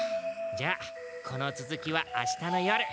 じゃあこの続きはあしたの夜。